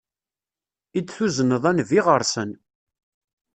I d-tuzneḍ a Nnbi ɣer-sen.